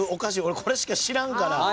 俺これしか知らんから。